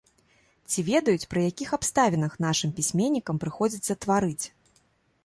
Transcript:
Ці ведаюць, пры якіх абставінах нашым пісьменнікам прыходзіцца тварыць?